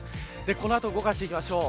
この後、動かしていきましょう。